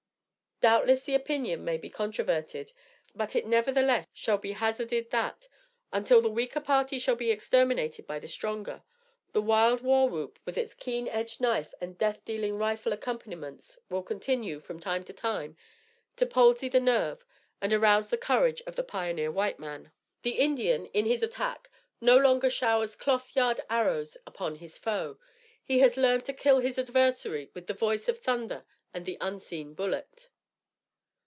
Doubtless the opinion may be controverted, but it nevertheless shall be hazarded, that, until the weaker party shall be exterminated by the stronger, the wild war whoop, with its keen edged knife and death dealing rifle accompaniments, will continue, from time to time, to palsy the nerve, and arouse the courage of the pioneer white man. The Indian, in his attack, no longer showers cloth yard arrows upon his foe. He has learned to kill his adversary with the voice of thunder and the unseen bullet.